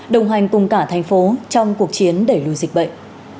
đồng hành cùng cả thành phố trong cuộc chiến đẩy lùi dịch bệnh